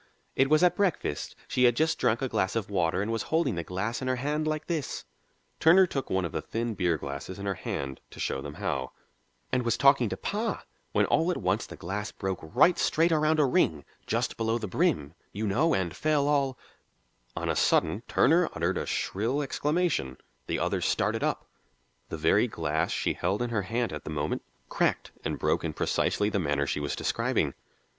It was at breakfast; she had just drunk a glass of water and was holding the glass in her hand like this" Turner took one of the thin beer glasses in her hand to show them how "and was talking to pa, when all at once the glass broke right straight around a ring, just below the brim, you know, and fell all " On a sudden Turner uttered a shrill exclamation; the others started up; the very glass she held in her hand at the moment cracked and broke in precisely the manner she was describing.